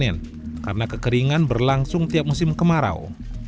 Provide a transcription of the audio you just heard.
yang karena kekeringan berlangsung tiap musim kemarau